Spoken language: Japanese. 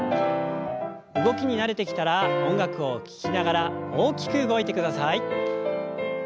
動きに慣れてきたら音楽を聞きながら大きく動いてください。